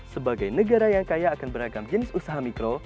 sebagai negara yang kaya akan beragam jenis usaha mikro